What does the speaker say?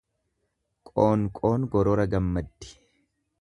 Qoonqoon gorora gammaddi.